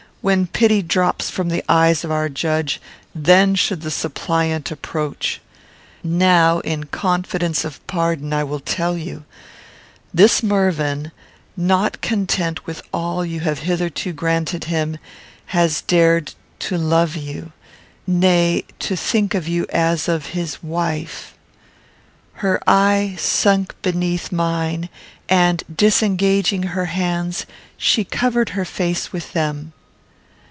When pity drops from the eyes of our judge, then should the suppliant approach. Now, in confidence of pardon, I will tell you; this Mervyn, not content with all you have hitherto granted him, has dared to love you; nay, to think of you as of his wife!" Her eye sunk beneath mine, and, disengaging her hands, she covered her face with them.